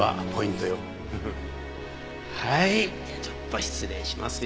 じゃあちょっと失礼しますよ。